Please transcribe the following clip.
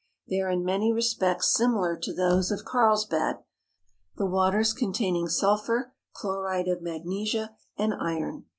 They are in many respects similar to those of Carlsbad, the waters containing sul phur, chloride of magnesia, and iron.